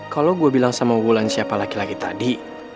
kalau gue bilang sama unggulan siapa laki laki tadi